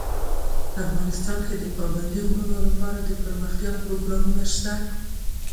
افغانستان کې د پابندي غرونو لپاره دپرمختیا پروګرامونه شته.